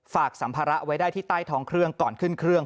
สัมภาระไว้ได้ที่ใต้ท้องเครื่องก่อนขึ้นเครื่อง